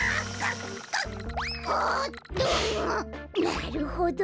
なるほど。